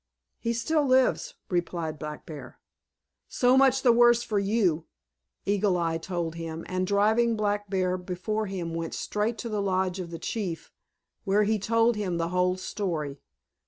"He still lives," replied Black Bear. "So much the worse for you," Eagle Eye told him, and driving Black Bear before him went straight to the lodge of the chief, where he told him the whole story.